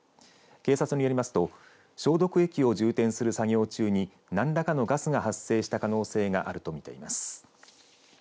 警察によりますと消毒液を充てんする作業中に何らかのガスが発生した可能性があるとみています。